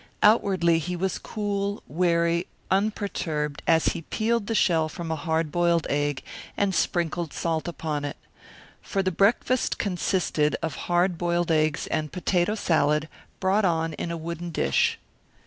Outwardly he was cool, wary, unperturbed, as he peeled the shell from a hard boiled egg and sprinkled salt upon it. For the breakfast consisted of hard boiled eggs and potato salad brought on in a wooden dish.